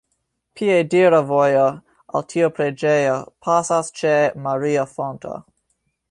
Piedira vojo al tiu preĝejo pasas ĉe "maria fonto".